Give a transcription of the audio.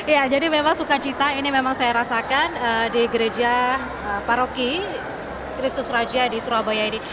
ya jadi memang suka cita ini memang saya rasakan di gereja paroki kristus raja di surabaya ini